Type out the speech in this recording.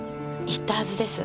言ったはずです。